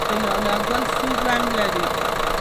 د لاله ګل سور رنګ لري